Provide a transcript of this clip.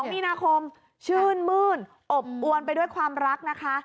มีนาคมชื่นมื้นอบอวนไปด้วยความรักนะคะ